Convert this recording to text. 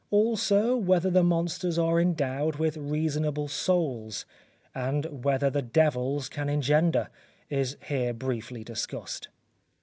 Also, whether the Monsters are endowed with reasonable Souls; and whether the Devils can engender; is here briefly discussed.